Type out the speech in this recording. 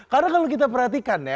karena kalau kita perhatikan ya